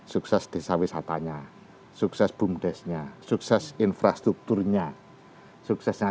sukses desa wisatanya sukses bumdes nya sukses infrastrukturnya suksesnya